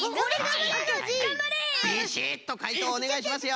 ビシッとかいとうおねがいしますよ。